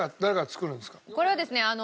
これはですね